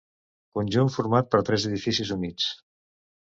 Conjunt format per tres edificis units.